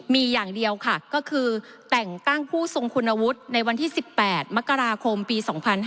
มีอย่างเดียวค่ะก็คือแต่งตั้งผู้ทรงคุณวุฒิในวันที่๑๘มกราคมปี๒๕๕๙